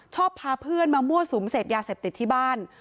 พาเพื่อนมามั่วสุมเสพยาเสพติดที่บ้าน